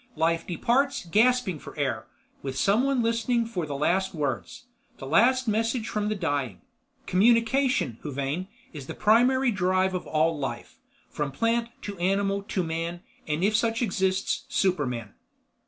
Life departs gasping for air, with someone listening for the last words, the last message from the dying. Communication, Huvane, is the primary drive of all Life, from plant to animal to man—and if such exists, superman.